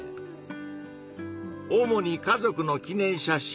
おもに家族の記念写真